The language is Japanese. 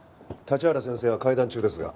立原先生は会談中ですが。